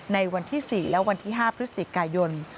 ในวันที่๔และวันที่๕พฤศจิกายน